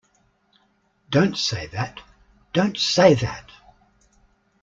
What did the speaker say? Don't say that, don't say that.